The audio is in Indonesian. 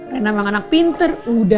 nenek memang anak pinter